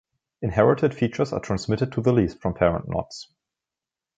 Inherited features are transmitted to the leaves from parent knots.